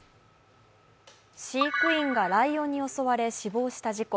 飼育員がライオンに襲われ死亡した事故。